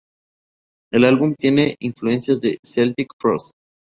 El álbum tiene influencias de Celtic Frost.